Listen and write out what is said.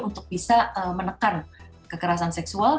untuk bisa menekan kekerasan seksual